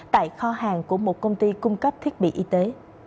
tại kho hàng của một công ty cung cấp thiết bị y tế